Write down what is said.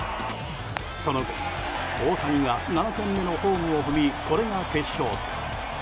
その後、大谷が７点目のホームを踏みこれが決勝点。